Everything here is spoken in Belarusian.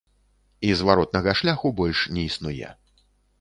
І зваротнага шляху больш не існуе.